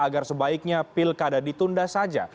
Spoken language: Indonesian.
agar sebaiknya pilkada ditunda saja